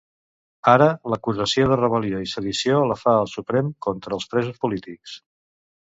Ara l'acusació de rebel·lió i sedició la fa el Suprem contra els presos polítics.